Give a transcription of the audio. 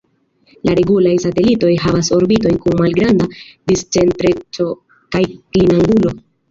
La regulaj satelitoj havas orbitojn kun malgranda discentreco kaj klinangulo.